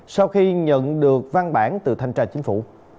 sau khi nhận được văn bản từ thanh tra chính phủ